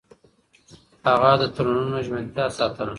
هغه د تړونونو ژمنتيا ساتله.